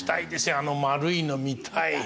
あの丸いの見たい。